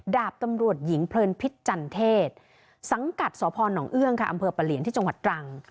ดาบตำรวจหญิงเพลินพิษจันเทศสังกัดสพนเอื้องค่ะอำเภอปะเหลียนที่จังหวัดตรัง